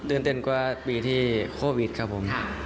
เต้นกว่าปีที่โควิดครับผม